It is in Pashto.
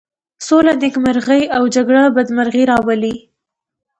سوله نېکمرغي او جگړه بدمرغي راولي.